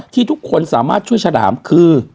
ที่ทุกคนสามารถช่วยฉลามคือ